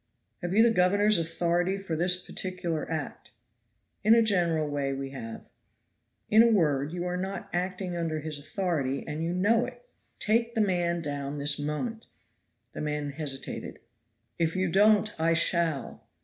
"Have you the governor's authority for this particular act?" "In a general way we have." "In a word, you are not acting under his authority, and you know it. Take the man down this moment." The men hesitated. "If you don't I shall."